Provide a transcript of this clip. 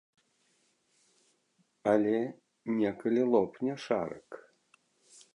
Але некалі лопне шарык.